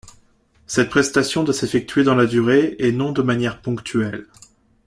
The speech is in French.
Cette prestation doit s'effectuer dans la durée et non de manière ponctuelle.